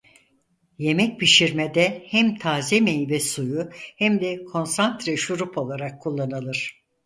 Yemek pişirmede hem taze meyve suyu hem de konsantre şurup olarak kullanılır.